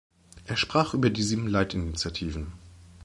Er sprach über die sieben Leitinitiativen.